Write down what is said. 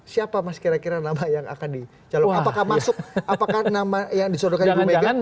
siapa mas kira kira nama yang akan dicalon apakah masuk apakah nama yang disodorkan ibu mega